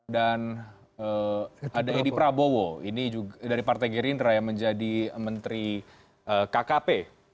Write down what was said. dan ada edi prabowo ini juga dari partai gerindra yang menjadi menteri kkp